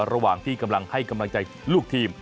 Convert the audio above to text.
ระหว่างที่กำลังให้กำลังใจลูกทีม